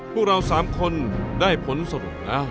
พวกเราสามคนได้ผลสรุปนะ